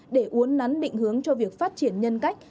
để uốn nắn định hướng cho việc phát triển nhân cách